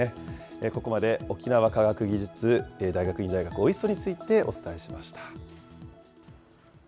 ここまで沖縄科学技術大学院大学、ＯＩＳＴについてお伝えしました。